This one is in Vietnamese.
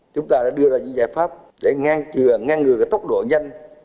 chúng ta đã đưa ra những giải pháp để ngăn ngừa cái tốc độ nhanh